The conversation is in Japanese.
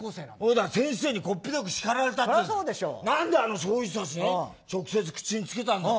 先生にこっぴどく叱られたってなんてあの醤油さしを直接口につけたんだよ。